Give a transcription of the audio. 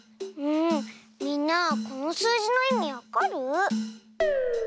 みんなこのすうじのいみわかる？